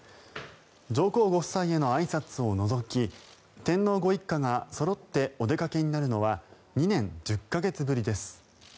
上皇ご夫妻へのあいさつを除き天皇ご一家がそろってお出かけになるのは２年１０か月ぶりです。